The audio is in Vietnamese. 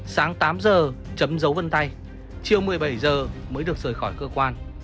sáng tám giờ chấm dấu vân tay chiều một mươi bảy giờ mới được rời khỏi cơ quan